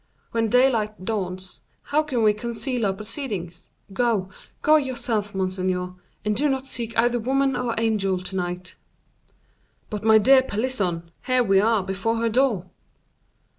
When daylight dawns, how can we conceal our proceedings? Go, go yourself, monseigneur, and do not seek either woman or angel to night." "But, my dear Pelisson, here we are before her door."